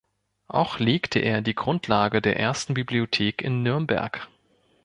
Auch legte er die Grundlage der ersten Bibliothek in Nürnberg.